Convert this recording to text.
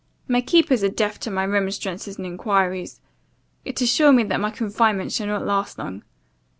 My keepers are deaf to my remonstrances and enquiries, yet assure me that my confinement shall not last long.